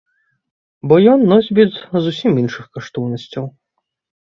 Бо ён носьбіт зусім іншых каштоўнасцяў.